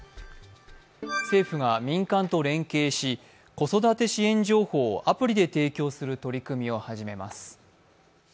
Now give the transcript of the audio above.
政府が民間と連携し子育て支援情報をアプリで提供する取り組みを始めます。